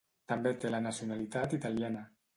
També té la nacionalitat italiana.